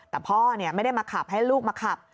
แต่พ่อไม่ได้มาขับให้ลูกมาขับ